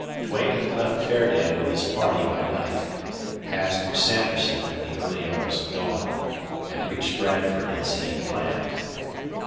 Duane had left Fairdale with his party by night, passed through Sanderson in the early hours of dawn, and reached Bradford as he had planned.